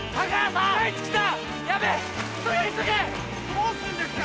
どうすんですか？